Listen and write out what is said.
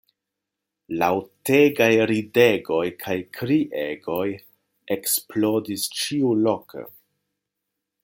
Laŭtegaj ridegoj kaj kriegoj eksplodis ĉiuloke.